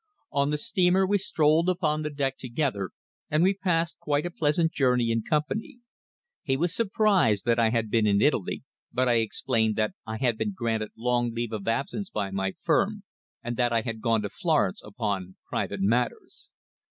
On the steamer we strolled upon the deck together, and we passed quite a pleasant journey in company. He was surprised that I had been in Italy, but I explained that I had been granted long leave of absence by my firm, and that I had gone to Florence upon private affairs.